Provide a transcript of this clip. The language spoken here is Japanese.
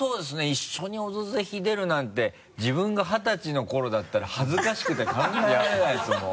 一緒に「オドぜひ」出るなんて自分が二十歳の頃だったら恥ずかしくて考えられないですもん。